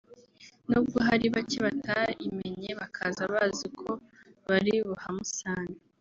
nubwo hari bacye batayimenye bakaza bazi ko bari buhamusange